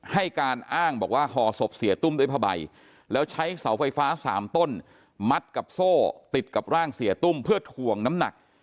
ให้การอ้างบอกว่าห่อศพเสียตุ้มด้วยผ้าใบแล้วใช้เสาไฟฟ้า๓ต้นมัดกับโซ่ติดกับร่างเสียตุ้มเพื่อถ่วงน้ำหนัก